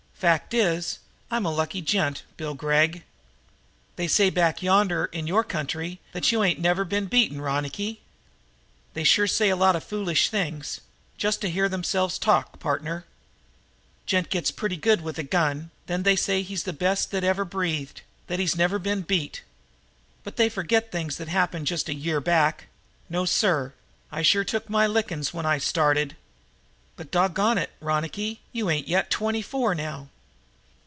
Fact is I'm a lucky gent, Bill Gregg." "They say back yonder in your country that you ain't never been beaten, Ronicky." "They sure say a lot of foolish things, just to hear themselves talk, partner. A gent gets pretty good with a gun, then they say he's the best that ever breathed that he's never been beat. But they forget things that happened just a year back. No, sir; I sure took my lickings when I started." "But, dog gone it, Ronicky, you ain't twenty four now!"